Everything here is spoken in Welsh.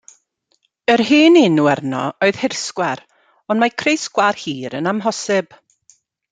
Yr hen enw arno oedd hirsgwar, ond mae creu sgwâr hir yn amhosib!